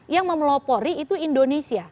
yang memelopori itu indonesia